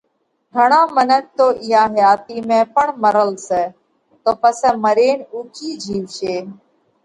گھڻا منک تو اِيئا حياتِي ۾ پڻ مرل سئہ، تو پسئہ مرينَ اُو ڪِي جيوَشي۔